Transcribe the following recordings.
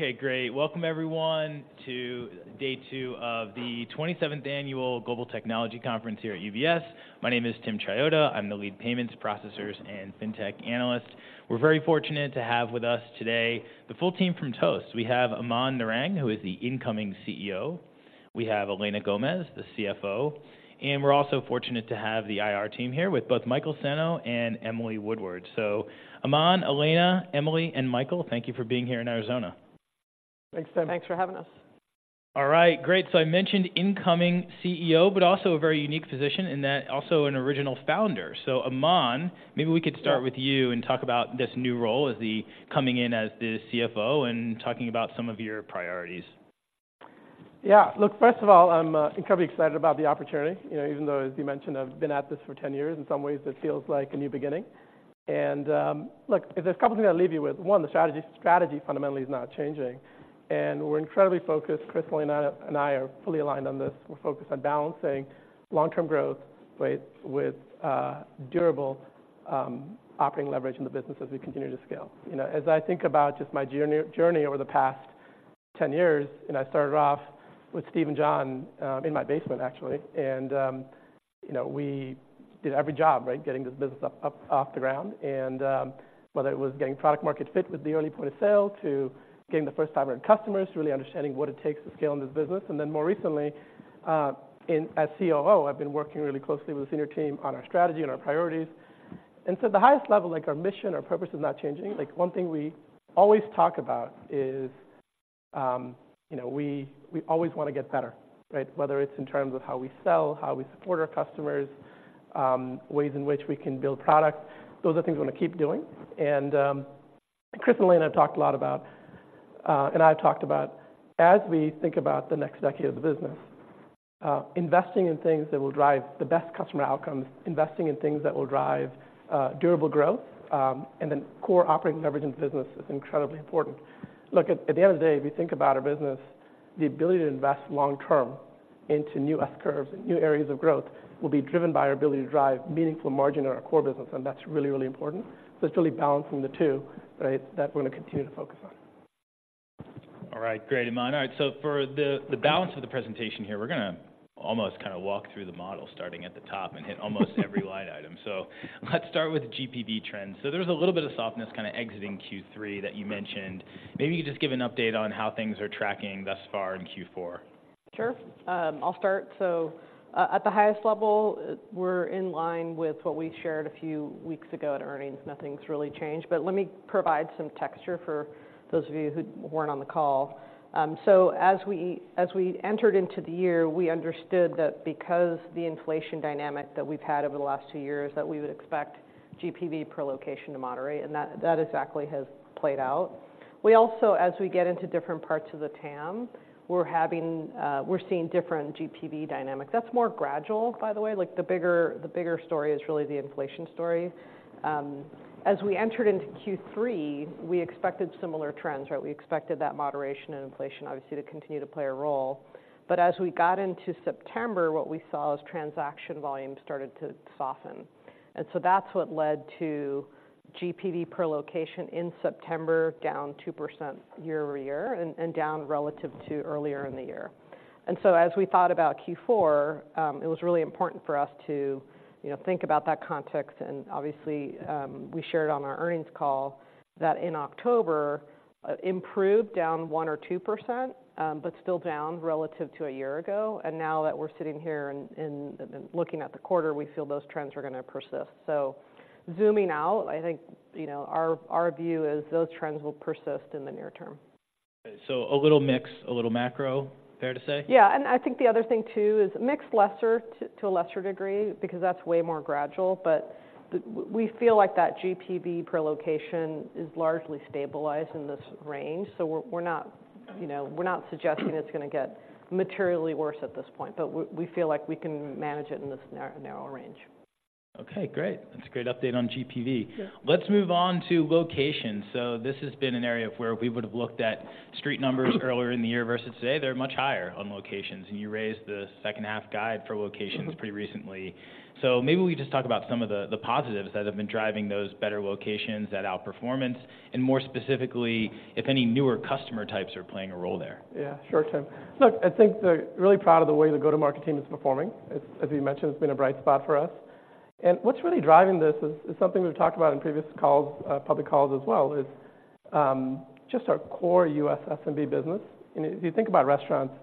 Okay, great. Welcome everyone to day 2 of the 27th Annual Global Technology Conference here at UBS. My name is Timothy Chiodo. I'm the lead payments processors and fintech analyst. We're very fortunate to have with us today the full team from Toast. We have Aman Narang, who is the incoming CEO, we have Elena Gomez, the CFO, and we're also fortunate to have the IR team here with both Michael Senno and Emily Woodward. So Aman, Elena, Emily, and Michael, thank you for being here in Arizona. Thanks, Tim. Thanks for having us. All right, great. So I mentioned incoming CEO, but also a very unique position in that also an original founder. So, Aman, maybe we could start with you and talk about this new role as the, coming in as the CFO and talking about some of your priorities. Yeah. Look, first of all, I'm incredibly excited about the opportunity. You know, even though, as you mentioned, I've been at this for 10 years, in some ways it feels like a new beginning. Look, there's a couple of things I'll leave you with. One, the strategy. Strategy fundamentally is not changing, and we're incredibly focused. Chris, Elena, and I are fully aligned on this. We're focused on balancing long-term growth with durable operating leverage in the business as we continue to scale. You know, as I think about just my journey over the past 10 years, and I started off with Steve and John in my basement, actually, and you know, we did every job, right, getting this business up off the ground. Whether it was getting product market fit with the early point of sale, to getting the first-time earned customers, to really understanding what it takes to scale in this business, and then more recently, in as COO, I've been working really closely with the senior team on our strategy and our priorities. So at the highest level, like, our mission, our purpose is not changing. Like, one thing we always talk about is, you know, we, we always want to get better, right? Whether it's in terms of how we sell, how we support our customers, ways in which we can build products, those are things we're gonna keep doing. And Chris and Elena have talked a lot about, and I've talked about as we think about the next decade of the business, investing in things that will drive the best customer outcomes, investing in things that will drive durable growth, and then core operating leverage in the business is incredibly important. Look, at the end of the day, if you think about our business, the ability to invest long term into new S-curves and new areas of growth will be driven by our ability to drive meaningful margin on our core business, and that's really, really important. So it's really balancing the two, right, that we're going to continue to focus on. All right, great, Aman. All right, so for the balance of the presentation here, we're gonna almost kind of walk through the model, starting at the top and hit almost every line item. So let's start with GPV trends. So there was a little bit of softness kind of exiting Q3 that you mentioned. Maybe you just give an update on how things are tracking thus far in Q4. Sure. I'll start. So at the highest level, we're in line with what we shared a few weeks ago at earnings. Nothing's really changed, but let me provide some texture for those of you who weren't on the call. So as we entered into the year, we understood that because the inflation dynamic that we've had over the last two years, that we would expect GPV per location to moderate, and that exactly has played out. We also, as we get into different parts of the TAM, we're seeing different GPV dynamics. That's more gradual, by the way. Like, the bigger story is really the inflation story. As we entered into Q3, we expected similar trends, right? We expected that moderation and inflation obviously to continue to play a role. But as we got into September, what we saw was transaction volume started to soften, and so that's what led to GPV per location in September, down 2% year-over-year and down relative to earlier in the year. And so as we thought about Q4, it was really important for us to, you know, think about that context. And obviously, we shared on our earnings call that in October, improved down 1% or 2%, but still down relative to a year ago. And now that we're sitting here and looking at the quarter, we feel those trends are gonna persist. So zooming out, I think, you know, our view is those trends will persist in the near term. So a little mix, a little macro, fair to say? Yeah, and I think the other thing, too, is mix, lesser to a lesser degree, because that's way more gradual. But we feel like that GPV per location is largely stabilized in this range, so we're not, you know, we're not suggesting it's gonna get materially worse at this point, but we feel like we can manage it in this narrow range. Okay, great. That's a great update on GPV. Yeah. Let's move on to locations. So this has been an area of where we would have looked at street numbers earlier in the year versus today, they're much higher on locations, and you raised the second half guide for locations pretty recently. So maybe we just talk about some of the positives that have been driving those better locations, that outperformance, and more specifically, if any newer customer types are playing a role there. Yeah, sure, Tim. Look, I think they're really proud of the way the go-to-market team is performing. As you mentioned, it's been a bright spot for us. And what's really driving this is something we've talked about in previous calls, public calls as well, just our core US SMB business. And if you think about restaurants,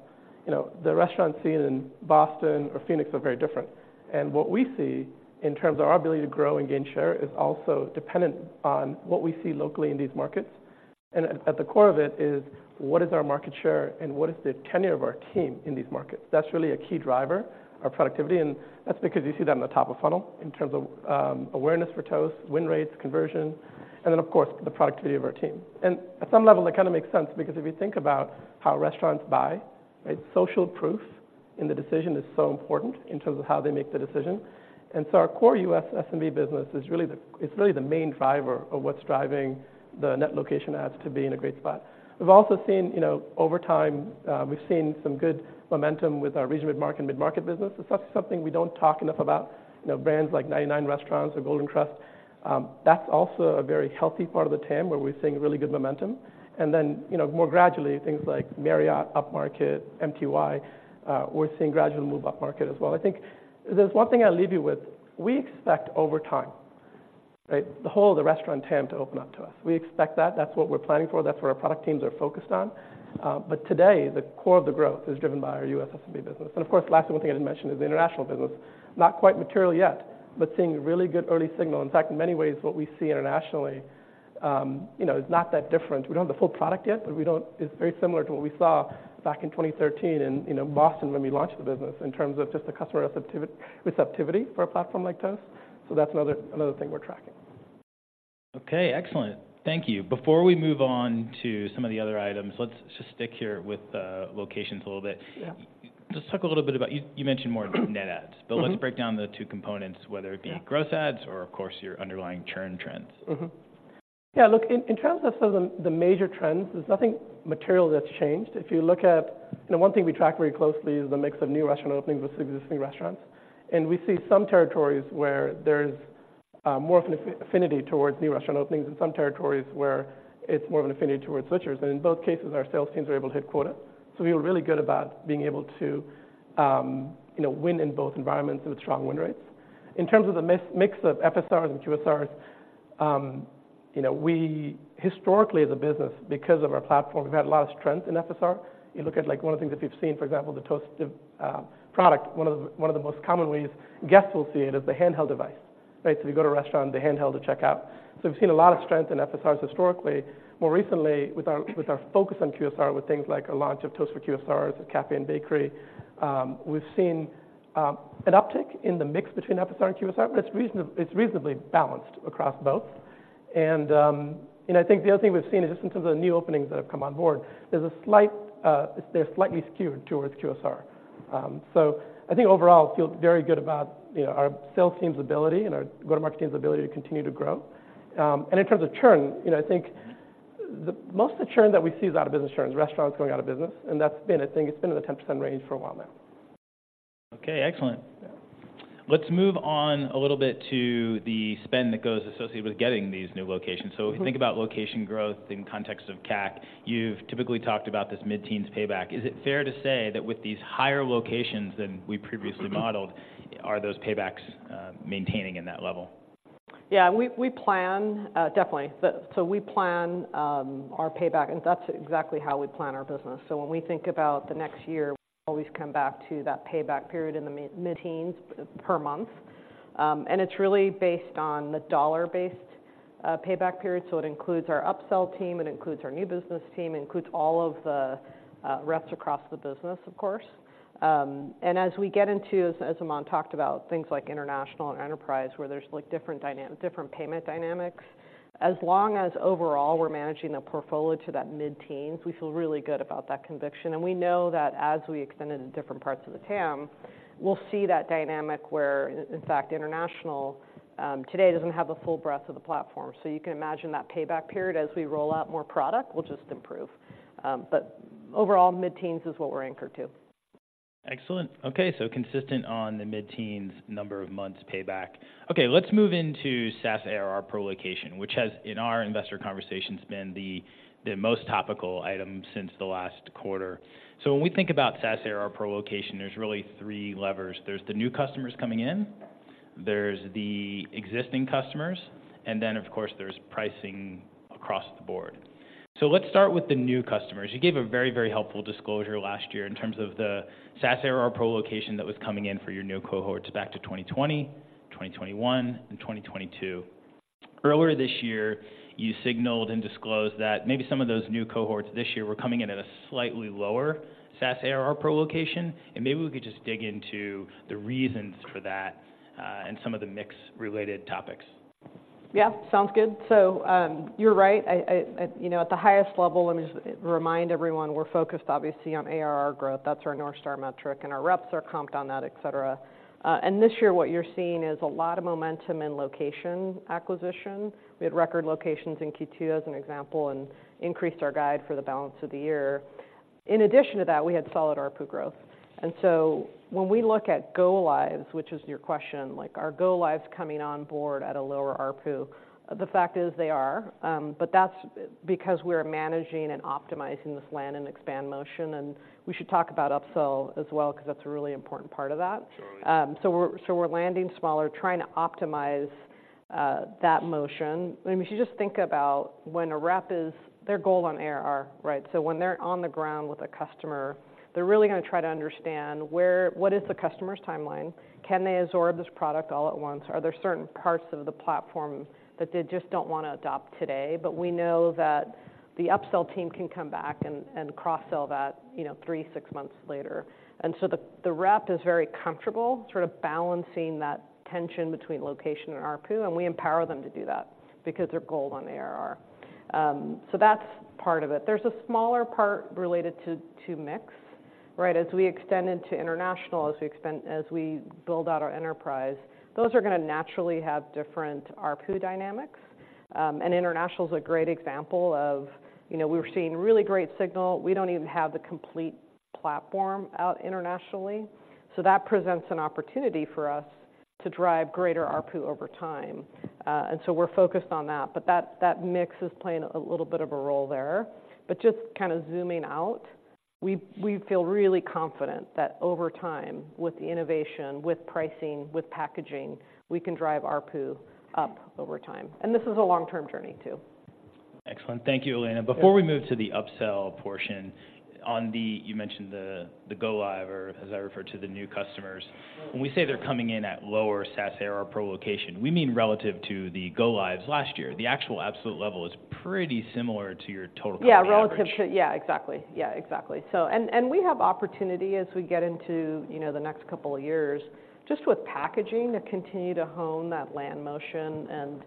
you know, the restaurant scene in Boston or Phoenix are very different. And what we see in terms of our ability to grow and gain share is also dependent on what we see locally in these markets. And at the core of it is, what is our market share, and what is the tenure of our team in these markets? That's really a key driver, our productivity, and that's because you see that in the top of funnel in terms of, awareness for Toast, win rates, conversion, and then, of course, the productivity of our team. And at some level, that kind of makes sense, because if you think about how restaurants buy, right? Social proof in the decision is so important in terms of how they make the decision. And so our core U.S. SMB business is really the—it's really the main driver of what's driving the net location adds to be in a great spot. We've also seen, you know, over time, we've seen some good momentum with our regional mid-market and mid-market business. That's something we don't talk enough about. You know, brands like 99 Restaurants or Golden Corral, that's also a very healthy part of the TAM, where we're seeing really good momentum. And then, you know, more gradually, things like Marriott, upmarket, MTY, we're seeing gradually move upmarket as well. I think there's one thing I'll leave you with: we expect over time, right? The whole of the restaurant TAM to open up to us. We expect that. That's what we're planning for, that's what our product teams are focused on. But today, the core of the growth is driven by our US SMB business. And of course, the last thing I wanted to mention is the international business. Not quite material yet, but seeing really good early signal. In fact, in many ways, what we see internationally, you know, is not that different. We don't have the full product yet, but it's very similar to what we saw back in 2013 in, you know, Boston, when we launched the business, in terms of just the customer receptivity for a platform like Toast. So that's another thing we're tracking. Okay, excellent. Thank you. Before we move on to some of the other items, let's just stick here with locations a little bit. Yeah. Just talk a little bit about—you mentioned more net adds. But let's break down the two components. Yeah. Whether it be gross adds or, of course, your underlying churn trends. Yeah, look, in terms of some of the major trends, there's nothing material that's changed. If you look at—you know, one thing we track very closely is the mix of new restaurant openings with existing restaurants, and we see some territories where there's more affinity towards new restaurant openings, and some territories where it's more of an affinity towards switchers. In both cases, our sales teams were able to hit quota. So we were really good about being able to, you know, win in both environments with strong win rates. In terms of the mix of FSRs and QSRs, you know, we historically, as a business, because of our platform, we've had a lot of strength in FSR. You look at, like, one of the things that we've seen, for example, the Toast product, one of the most common ways guests will see it is the handheld device, right? So if you go to a restaurant, the handheld to check out. So we've seen a lot of strength in FSRs historically. More recently, with our focus on QSR, with things like a launch of Toast for QSRs, Cafe and Bakery, we've seen an uptick in the mix between FSR and QSR, but it's reasonably balanced across both. And I think the other thing we've seen is, just in terms of the new openings that have come on board, there's a slight, they're slightly skewed towards QSR. So I think overall, I feel very good about, you know, our sales team's ability and our go-to-market team's ability to continue to grow. In terms of churn, you know, I think the most of the churn that we see is out-of-business churn, restaurants going out of business, and that's been, I think it's been in the 10% range for a while now. Okay, excellent. Yeah. Let's move on a little bit to the spend that goes associated with getting these new locations. When we think about location growth in context of CAC, you've typically talked about this mid-teens payback. Is it fair to say that with these higher locations than we previously modeled, are those paybacks maintaining in that level? Yeah, we plan definitely. But we plan our payback, and that's exactly how we plan our business. So when we think about the next year, we always come back to that payback period in the mid-teens per month. And it's really based on the dollar-based payback period. So it includes our upsell team, it includes our new business team, it includes all of the reps across the business, of course. And as we get into, as Aman talked about, things like international and enterprise, where there's, like, different payment dynamics, as long as overall we're managing a portfolio to that mid-teens, we feel really good about that conviction. We know that as we extend it to different parts of the TAM, we'll see that dynamic where, in fact, international today doesn't have the full breadth of the platform. So you can imagine that payback period, as we roll out more product, will just improve. But overall, mid-teens is what we're anchored to. Excellent. Okay, so consistent on the mid-teens number of months payback. Okay, let's move into SaaS ARR per location, which has, in our investor conversations, been the, the most topical item since the last quarter. So when we think about SaaS ARR per location, there's really three levers. There's the new customers coming in, there's the existing customers, and then, of course, there's pricing across the board. So let's start with the new customers. You gave a very, very helpful disclosure last year in terms of the SaaS ARR per location that was coming in for your new cohorts back to 2020, 2021, and 2022. Earlier this year, you signaled and disclosed that maybe some of those new cohorts this year were coming in at a slightly lower SaaS ARR per location, and maybe we could just dig into the reasons for that, and some of the mix-related topics. Yeah, sounds good. So, you're right. I, you know, at the highest level, let me just remind everyone, we're focused obviously on ARR growth. That's our North Star metric, and our reps are comped on that, et cetera. And this year, what you're seeing is a lot of momentum in location acquisition. We had record locations in Q2, as an example, and increased our guide for the balance of the year. In addition to that, we had solid ARPU growth. And so when we look at go-lives, which is your question, like, are go-lives coming on board at a lower ARPU? The fact is, they are, but that's because we're managing and optimizing this land and expand motion, and we should talk about upsell as well, because that's a really important part of that. Sure. So we're landing smaller, trying to optimize that motion. I mean, if you just think about when a rep is. Their goal on ARR, right? So when they're on the ground with a customer, they're really gonna try to understand what is the customer's timeline? Can they absorb this product all at once? Are there certain parts of the platform that they just don't wanna adopt today? But we know that the upsell team can come back and cross-sell that, you know, 3-6 months later. And so the rep is very comfortable sort of balancing that tension between location and ARPU, and we empower them to do that because their goal is on ARR. So that's part of it. There's a smaller part related to mix, right? As we extend into international, as we build out our enterprise, those are gonna naturally have different ARPU dynamics. And international is a great example of, you know, we're seeing really great signal. We don't even have the complete platform out internationally, so that presents an opportunity for us to drive greater ARPU over time. And so we're focused on that, but that, that mix is playing a little bit of a role there. But just kind of zooming out, we feel really confident that over time, with the innovation, with pricing, with packaging, we can drive ARPU up over time. And this is a long-term journey, too. Excellent. Thank you, Elena. Before we move to the upsell portion, on the, you mentioned the go-live, or as I refer to, the new customers. When we say they're coming in at lower SaaS ARR per location, we mean relative to the go-lives last year. The actual absolute level is pretty similar to your total average. Yeah, relative to—yeah, exactly. Yeah, exactly. So, we have opportunity as we get into, you know, the next couple of years, just with packaging, to continue to hone that land motion and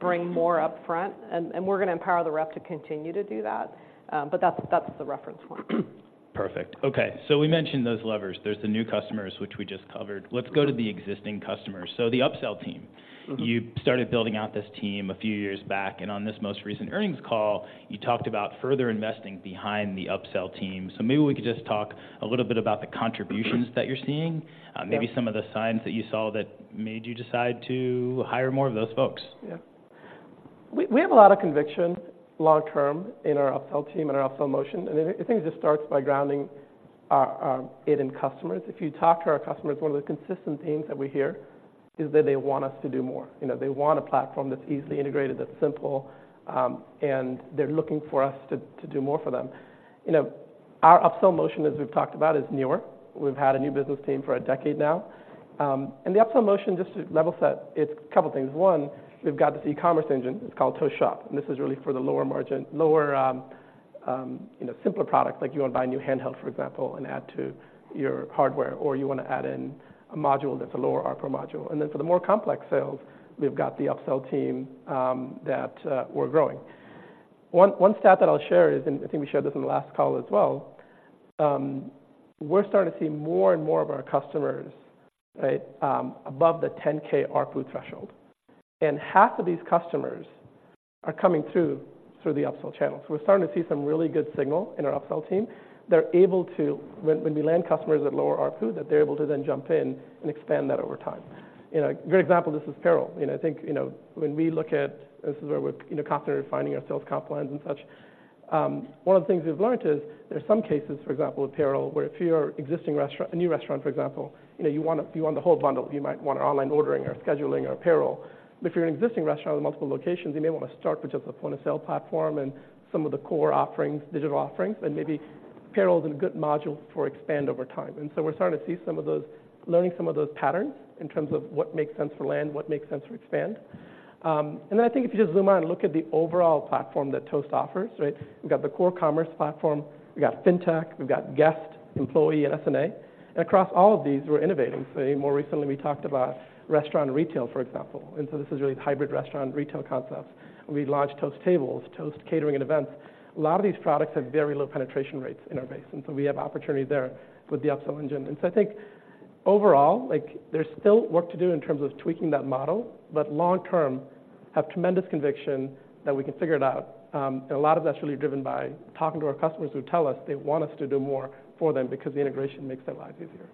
bring more up front. And we're going to empower the rep to continue to do that, but that's the reference point. Perfect. Okay, so we mentioned those levers. There's the new customers, which we just covered. Let's go to the existing customers. So the upsell team you started building out this team a few years back, and on this most recent earnings call, you talked about further investing behind the upsell team. So maybe we could just talk a little bit about the contributions that you're seeing— Yeah. Maybe some of the signs that you saw that made you decide to hire more of those folks? Yeah. We, we have a lot of conviction long term in our upsell team and our upsell motion, and I, I think it just starts by grounding it in customers. If you talk to our customers, one of the consistent themes that we hear is that they want us to do more. You know, they want a platform that's easily integrated, that's simple, and they're looking for us to, to do more for them. You know, our upsell motion, as we've talked about, is newer. We've had a new business team for a decade now, and the upsell motion, just to level set, it's a couple things. One, we've got this e-commerce engine, it's called Toast Shop, and this is really for the lower margin, lower, you know, simpler products. Like, you want to buy a new handheld, for example, and add to your hardware, or you want to add in a module that's a lower ARPU module. And then for the more complex sales, we've got the upsell team that we're growing. One stat that I'll share is, and I think we shared this in the last call as well, we're starting to see more and more of our customers, right, above the 10K ARPU threshold, and half of these customers are coming through the upsell channels. We're starting to see some really good signal in our upsell team. They're able to. When we land customers at lower ARPU, that they're able to then jump in and expand that over time. You know, a great example of this is payroll. You know, I think, you know, when we look at. This is where we're, you know, constantly refining our sales comp plans and such. One of the things we've learned is there are some cases, for example, with payroll, where if you're an existing restaurant- a new restaurant, for example, you know, you want, you want the whole bundle. You might want our online ordering, or scheduling, or payroll. But if you're an existing restaurant with multiple locations, you may want to start with just the point-of-sale platform and some of the core offerings, digital offerings, and maybe payroll is a good module to expand over time. And so we're starting to see some of those—learning some of those patterns in terms of what makes sense for land, what makes sense for expand. And then I think if you just zoom out and look at the overall platform that Toast offers, right? We've got the core commerce platform, we've got Fintech, we've got guest, employee, and S&A, and across all of these, we're innovating. So more recently, we talked about restaurant and retail, for example, and so this is really the hybrid restaurant and retail concepts. We launched Toast Tables, Toast Catering and Events. A lot of these products have very low penetration rates in our base, and so we have opportunity there with the upsell engine. And so I think overall, like, there's still work to do in terms of tweaking that model, but long term, have tremendous conviction that we can figure it out. And a lot of that's really driven by talking to our customers, who tell us they want us to do more for them because the integration makes their lives easier.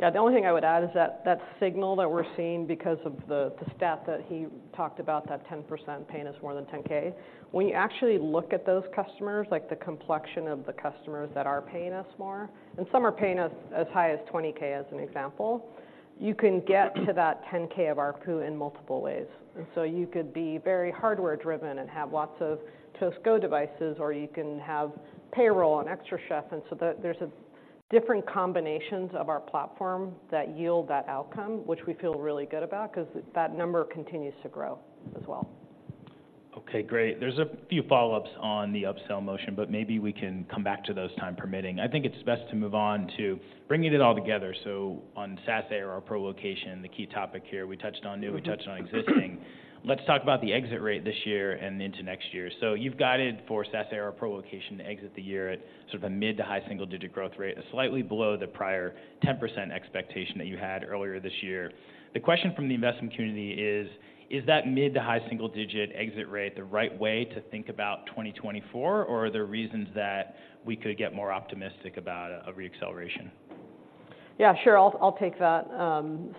Yeah, the only thing I would add is that that signal that we're seeing because of the, the stat that he talked about, that 10% paying us more than $10K. When you actually look at those customers, like the complexion of the customers that are paying us more, and some are paying us as high as $20K, as an example, you can get to that $10K of ARPU in multiple ways. And so you could be very hardware driven and have lots of Toast Go devices, or you can have payroll and xtraCHEF, and so there, there's a different combinations of our platform that yield that outcome, which we feel really good about 'cause that number continues to grow as well. Okay, great. There's a few follow-ups on the upsell motion, but maybe we can come back to those, time permitting. I think it's best to move on to bringing it all together. So on SaaS ARR per location, the key topic here, we touched on new we touched on existing. Let's talk about the exit rate this year and into next year. So you've guided for SaaS ARR per location to exit the year at sort of a mid to high single-digit growth rate, slightly below the prior 10% expectation that you had earlier this year. The question from the investment community is: Is that mid to high single digit exit rate the right way to think about 2024, or are there reasons that we could get more optimistic about a re-acceleration? Yeah, sure. I'll, I'll take that.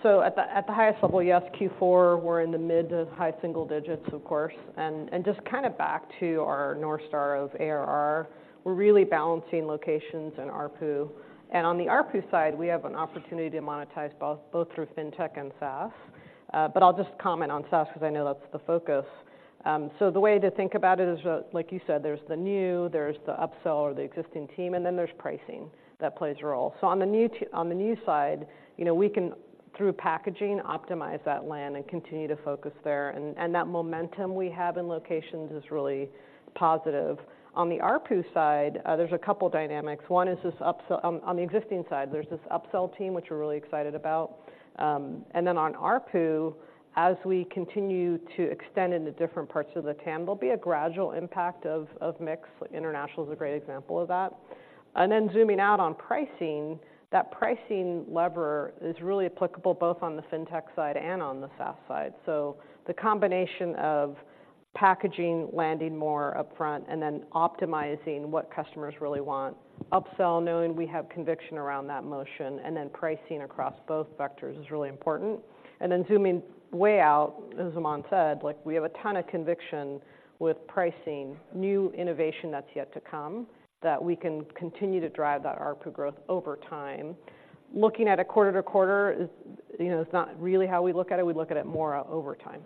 So at the, at the highest level, yes, Q4, we're in the mid- to high-single digits, of course. And just kind of back to our North Star of ARR, we're really balancing locations and ARPU. And on the ARPU side, we have an opportunity to monetize both, both through Fintech and SaaS, but I'll just comment on SaaS because I know that's the focus. So the way to think about it is, like you said, there's the new, there's the upsell or the existing team, and then there's pricing. That plays a role. So on the new side, you know, we can, through packaging, optimize that land and continue to focus there, and that momentum we have in locations is really positive. On the ARPU side, there's a couple dynamics. One is this upsell on the existing side, there's this upsell team, which we're really excited about. And then on ARPU, as we continue to extend into different parts of the TAM, there'll be a gradual impact of mix. International is a great example of that. And then zooming out on pricing, that pricing lever is really applicable both on the fintech side and on the SaaS side. So the combination of packaging, landing more upfront, and then optimizing what customers really want. Upsell, knowing we have conviction around that motion, and then pricing across both vectors is really important. And then zooming way out, as Aman said, like, we have a ton of conviction with pricing, new innovation that's yet to come, that we can continue to drive that ARPU growth over time. Looking at it quarter to quarter is, you know, is not really how we look at it. We look at it more over time.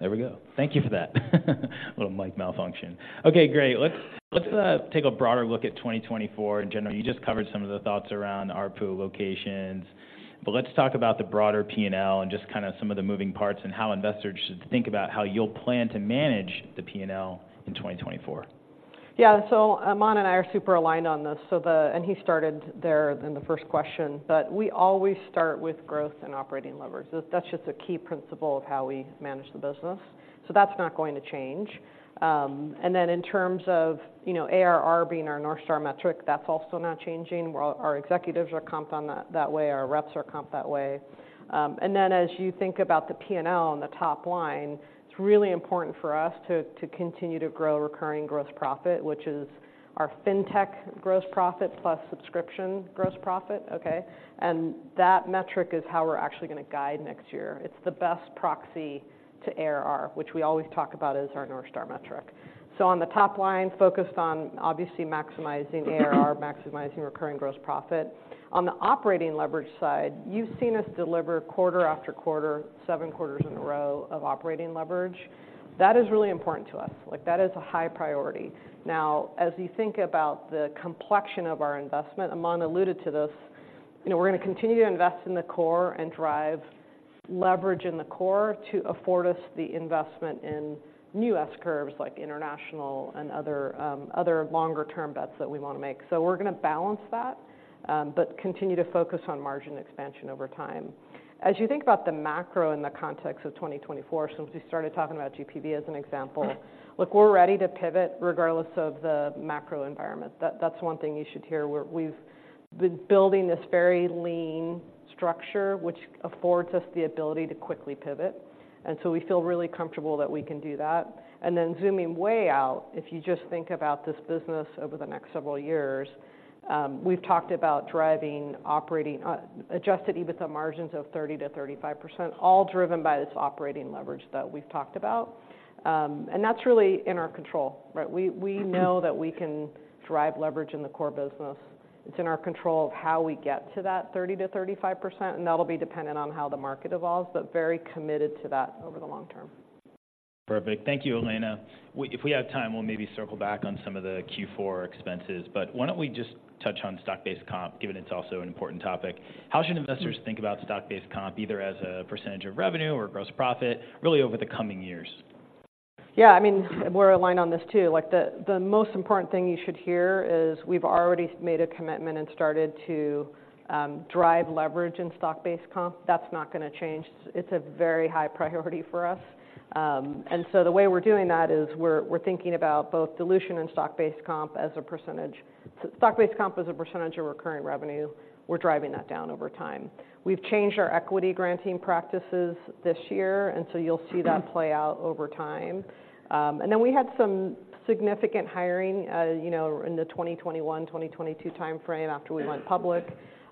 There we go. Thank you for that. Little mic malfunction. Okay, great! Let's take a broader look at 2024 in general. You just covered some of the thoughts around ARPU locations, but let's talk about the broader P&L and just kinda some of the moving parts, and how investors should think about how you'll plan to manage the P&L in 2024. Yeah. So Aman and I are super aligned on this, so and he started there in the first question, but we always start with growth and operating leverage. That's just a key principle of how we manage the business, so that's not going to change. And then in terms of, you know, ARR being our North Star metric, that's also not changing. Well, our executives are comped on that, that way, our reps are comped that way. And then as you think about the P&L on the top line, it's really important for us to continue to grow recurring gross profit, which is our fintech gross profit, plus subscription gross profit. Okay? And that metric is how we're actually gonna guide next year. It's the best proxy to ARR, which we always talk about as our North Star metric. So on the top line, focused on obviously maximizing ARR, maximizing recurring gross profit. On the operating leverage side, you've seen us deliver quarter after quarter, 7 quarters in a row of operating leverage. That is really important to us, like, that is a high priority. Now, as you think about the complexion of our investment, Aman alluded to this, you know, we're gonna continue to invest in the core and drive leverage in the core to afford us the investment in new S-curves, like international and other, other longer term bets that we wanna make. So we're gonna balance that, but continue to focus on margin expansion over time. As you think about the macro in the context of 2024, since we started talking about GPV as an example, look, we're ready to pivot regardless of the macro environment. That's one thing you should hear. We've been building this very lean structure, which affords us the ability to quickly pivot, and so we feel really comfortable that we can do that. And then zooming way out, if you just think about this business over the next several years, we've talked about driving operating adjusted EBITDA margins of 30%-35%, all driven by this operating leverage that we've talked about. And that's really in our control, right? We know that we can drive leverage in the core business. It's in our control of how we get to that 30%-35%, and that'll be dependent on how the market evolves, but very committed to that over the long term. Perfect. Thank you, Elena. If we have time, we'll maybe circle back on some of the Q4 expenses, but why don't we just touch on stock-based comp, given it's also an important topic? How should investors think about stock-based comp, either as a percentage of revenue or gross profit, really over the coming years? Yeah, I mean, we're aligned on this too. Like, the most important thing you should hear is we've already made a commitment and started to drive leverage in stock-based comp. That's not gonna change. It's a very high priority for us. And so the way we're doing that is we're thinking about both dilution and stock-based comp as a percentage. Stock-based comp as a percentage of recurring revenue, we're driving that down over time. We've changed our equity granting practices this year, and so you'll see that play out over time. And then we had some significant hiring, you know, in the 2021, 2022 timeframe after we went public,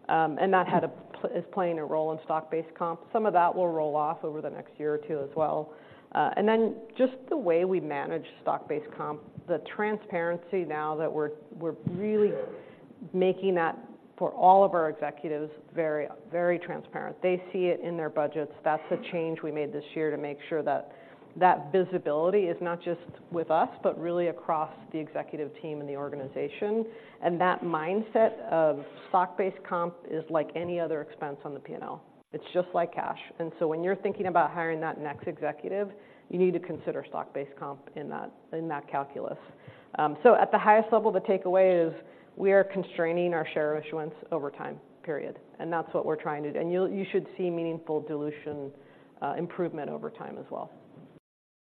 and that is playing a role in stock-based comp. Some of that will roll off over the next year or two as well. And then just the way we manage stock-based comp, the transparency now that we're really making that for all of our executives, very, very transparent. They see it in their budgets. That's a change we made this year to make sure that that visibility is not just with us, but really across the executive team and the organization. And that mindset of stock-based comp is like any other expense on the P&L. It's just like cash. And so when you're thinking about hiring that next executive, you need to consider stock-based comp in that, in that calculus. So at the highest level, the takeaway is we are constraining our share issuance over time, period. And that's what we're trying to do. And you should see meaningful dilution improvement over time as well.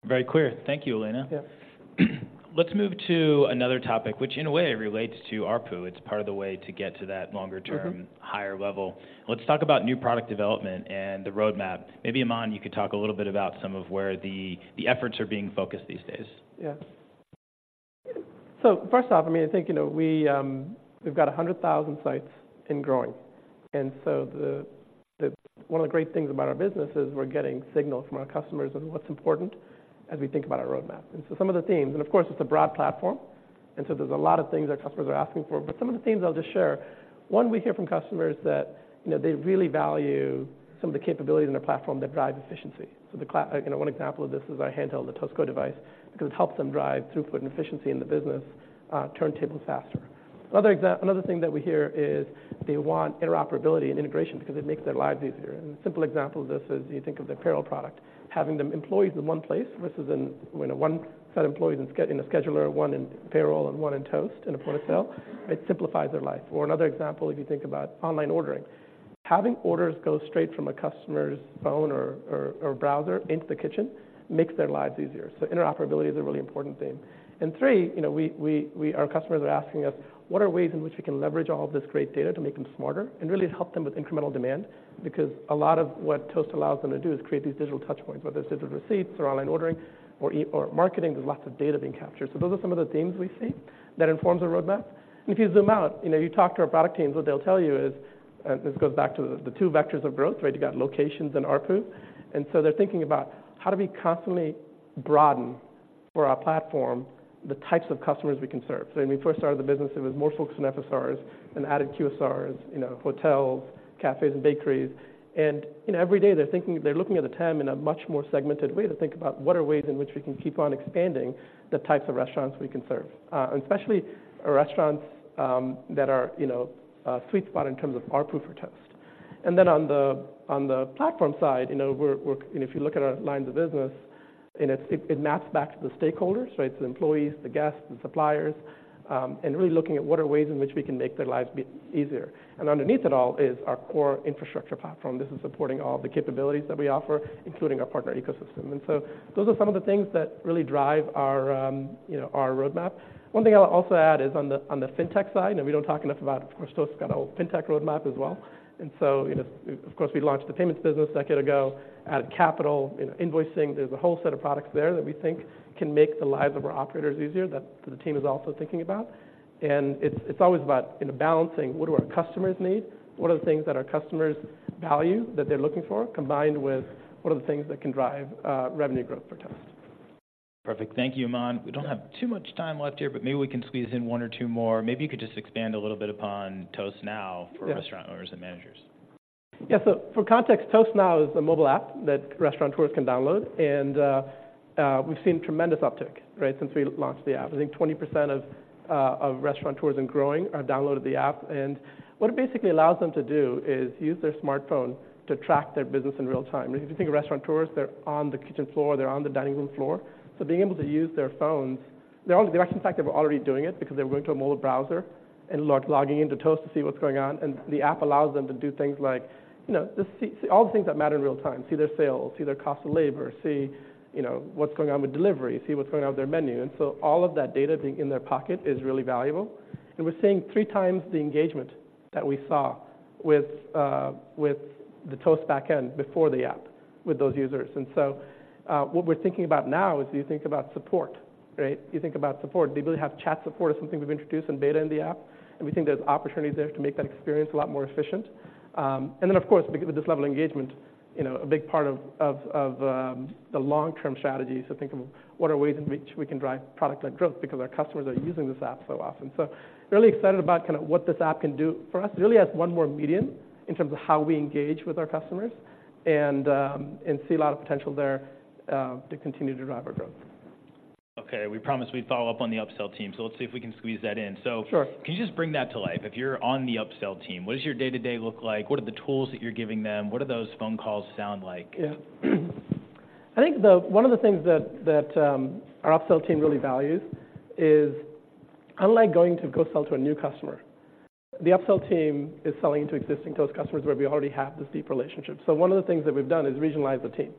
Very clear. Thank you, Elena. Yeah. Let's move to another topic, which in a way relates to ARPU. It's part of the way to get to that longer-term higher level. Let's talk about new product development and the roadmap. Maybe, Aman, you could talk a little bit about some of where the efforts are being focused these days. Yeah. So first off, I mean, I think, you know, we, we've got 100,000 sites and growing, and so the one of the great things about our business is we're getting signals from our customers on what's important as we think about our roadmap. And so some of the themes, and of course, it's a broad platform, and so there's a lot of things our customers are asking for. But some of the themes I'll just share. One, we hear from customers that, you know, they really value some of the capabilities in their platform that drive efficiency. So, you know, one example of this is our handheld, the Toast Go device, because it helps them drive throughput and efficiency in the business, turntables faster. Another thing that we hear is they want interoperability and integration because it makes their lives easier. A simple example of this is, you think of the payroll product, having the employees in one place versus in, you know, one set of employees in a scheduler, one in payroll, and one in Toast in a point of sale, it simplifies their life. Another example, if you think about online ordering, having orders go straight from a customer's phone or browser into the kitchen makes their lives easier. Interoperability is a really important theme. And three, you know, our customers are asking us, "What are ways in which we can leverage all of this great data to make them smarter?" And really help them with incremental demand, because a lot of what Toast allows them to do is create these digital touch points, whether it's digital receipts or online ordering or marketing, there's lots of data being captured. So those are some of the themes we see that informs our roadmap. And if you zoom out, you know, you talk to our product teams, what they'll tell you is, this goes back to the two vectors of growth, right? You've got locations and ARPU, and so they're thinking about: How do we constantly broaden for our platform the types of customers we can serve. So when we first started the business, it was more focused on FSRs and added QSRs, you know, hotels, cafes, and bakeries. You know, every day, they're looking at the TAM in a much more segmented way to think about what are ways in which we can keep on expanding the types of restaurants we can serve, and especially restaurants that are, you know, a sweet spot in terms of our proof for Toast. Then on the platform side, you know, we're and if you look at our lines of business, and it maps back to the stakeholders, right? So the employees, the guests, the suppliers, and really looking at what are ways in which we can make their lives be easier. Underneath it all is our core infrastructure platform. This is supporting all the capabilities that we offer, including our partner ecosystem. So those are some of the things that really drive our, you know, our roadmap. One thing I'll also add is on the fintech side, and we don't talk enough about, of course, Toast's got a whole fintech roadmap as well. And so, you know, of course, we launched the payments business a decade ago, added capital, you know, invoicing. There's a whole set of products there that we think can make the lives of our operators easier, that the team is also thinking about. And it's always about, you know, balancing what do our customers need, what are the things that our customers value, that they're looking for, combined with what are the things that can drive revenue growth for Toast? Perfect. Thank you, Aman. We don't have too much time left here, but maybe we can squeeze in one or two more. Maybe you could just expand a little bit upon Toast Now for restaurant owners and managers. Yeah. So for context, Toast Now is a mobile app that restaurateurs can download, and we've seen tremendous uptick, right, since we launched the app. I think 20% of restaurateurs and growing have downloaded the app, and what it basically allows them to do is use their smartphone to track their business in real time. If you think of restaurateurs, they're on the kitchen floor, they're on the dining room floor, so being able to use their phones—they're actually, in fact, they were already doing it because they were going to a mobile browser and logging in to Toast to see what's going on, and the app allows them to do things like, you know, just see all the things that matter in real time. See their sales, see their cost of labor, see, you know, what's going on with delivery, see what's going on with their menu. And so all of that data being in their pocket is really valuable, and we're seeing three times the engagement that we saw with the Toast back end before the app, with those users. And so, what we're thinking about now is you think about support, right? You think about support. They really have chat support is something we've introduced in beta in the app, and we think there's opportunity there to make that experience a lot more efficient. And then, of course, because with this level of engagement, you know, a big part of the long-term strategy is to think of what are ways in which we can drive product-led growth because our customers are using this app so often. So really excited about kind of what this app can do for us. It really adds one more medium in terms of how we engage with our customers and see a lot of potential there to continue to drive our growth. Okay, we promised we'd follow up on the upsell team, so let's see if we can squeeze that in. Sure. Can you just bring that to life? If you're on the upsell team, what does your day-to-day look like? What are the tools that you're giving them? What do those phone calls sound like? Yeah. I think the one of the things that our upsell team really values is, unlike going to go sell to a new customer, the upsell team is selling to existing Toast customers, where we already have this deep relationship. So one of the things that we've done is regionalize the team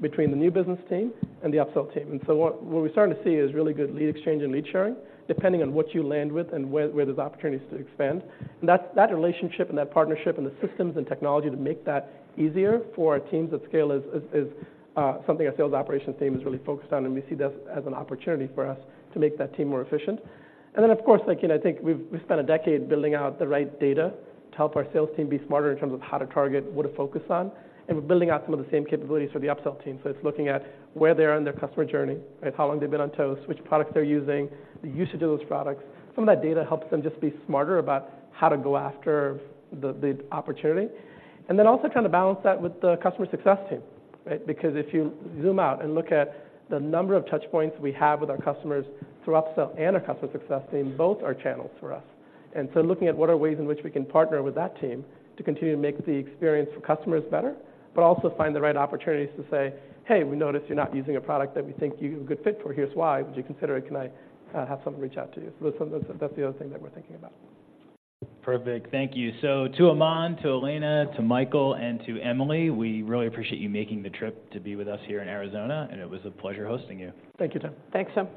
between the new business team and the upsell team. So what we're starting to see is really good lead exchange and lead sharing, depending on what you land with and where there's opportunities to expand. That relationship and that partnership and the systems and technology to make that easier for our teams at scale is something our sales operations team is really focused on, and we see this as an opportunity for us to make that team more efficient. And then, of course, like, you know, I think we've, we've spent a decade building out the right data to help our sales team be smarter in terms of how to target, what to focus on, and we're building out some of the same capabilities for the upsell team. So it's looking at where they are in their customer journey, right? How long they've been on Toast, which products they're using, the usage of those products. Some of that data helps them just be smarter about how to go after the, the opportunity, and then also kind of balance that with the customer success team, right? Because if you zoom out and look at the number of touch points we have with our customers through upsell and our customer success team, both are channels for us. And so looking at what are ways in which we can partner with that team to continue to make the experience for customers better, but also find the right opportunities to say, "Hey, we noticed you're not using a product that we think you're a good fit for. Here's why. Would you consider it? Can I have someone reach out to you?" So that's, that's the other thing that we're thinking about. Perfect. Thank you. So to Aman, to Elena, to Michael, and to Emily, we really appreciate you making the trip to be with us here in Arizona, and it was a pleasure hosting you. Thank you, Tim. Thanks, Tim.